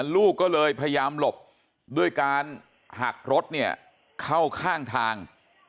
ลูกก็เลยพยายามหลบด้วยการหักรถเนี่ยเข้าข้างทาง